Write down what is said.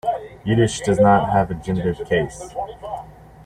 Yiddish does not have a genitive case.